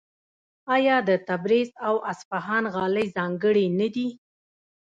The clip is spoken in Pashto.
آیا د تبریز او اصفهان غالۍ ځانګړې نه دي؟